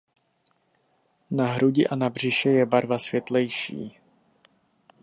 Na hrudi a na břiše je barva světlejší.